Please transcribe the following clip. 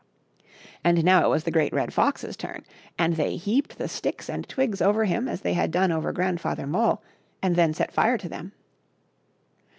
And now it was the Great Red Fox's turn ; and they heaped the sticks and twigs over him as they had done over Grandfather Mole, and then set fire to them.